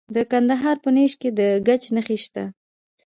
د کندهار په نیش کې د ګچ نښې شته.